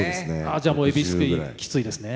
じゃあもうえびすくいきついですね。